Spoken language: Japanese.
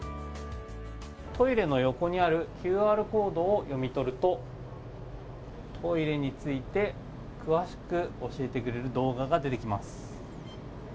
トイレの横にあるＱＲコードを読み取るとトイレについて詳しく教えてくれる動画が出てきます。